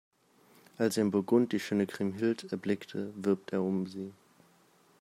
Als er in Burgund die schöne Kriemhild erblickt, wirbt er um sie.